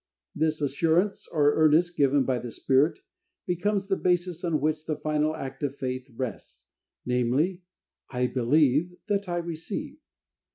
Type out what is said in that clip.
This assurance, or earnest, given by the Spirit, becomes the basis on which the final act of faith rests, namely, "I believe that I receive."